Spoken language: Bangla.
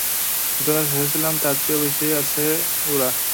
যতটা ভেবেছিলাম তার চেয়েও বেশি আছে ওরা।